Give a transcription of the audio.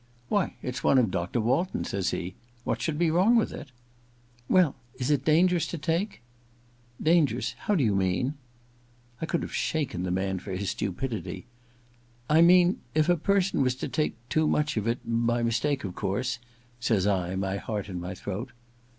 *Why, it's one of Dr. Walton's,' says he. * What should be wrong with it ?'* Well — is it dangerous to take ?'* Dangerous — ^how do you mean ?' I could have shaken the man for his stupidity. * I mean — if a person was to take too much of it — by mistake of course ' says I, my heart in my throat.